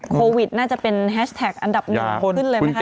โควิดน่าจะเป็นแฮชแท็กอันดับหนึ่งขึ้นเลยไหมคะ